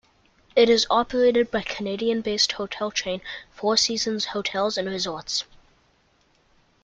It is operated by Canadian-based hotel chain, Four Seasons Hotels and Resorts.